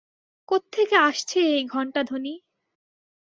কোত্থেকে আসছে এই ঘণ্টাধ্বনি?